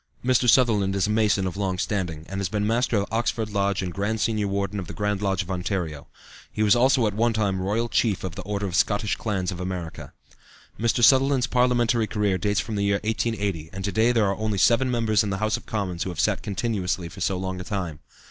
Mr. Sutherland is a Mason of long standing, and has been Master of Oxford Lodge and Grand Senior Warden of the Grand Lodge of Ontario. He was also at one time Royal Chief of the Order of Scottish Clans of America. Mr. Sutherland's parliamentary career dates from the year 1880, and to day there are only seven members in the House of Commons who have sat continuously for so long a time.